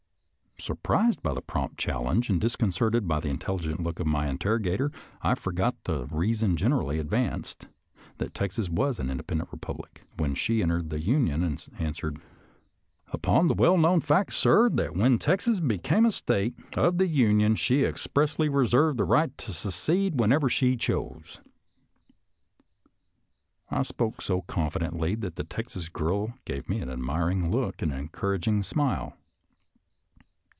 " Surprised by the prompt challenge and disconcerted by the intelligent look of my interrogator, I forgot the reason generally advanced — that Texas was an independent republic when she entered the Union — ^and answered, " Upon the well known fact, sir, that when Texas became a State of the Union she expressly reserved the right to secede whenever she chose." I spoke so confidently that the Texas girl gave me an admiring look and an encouraging smile.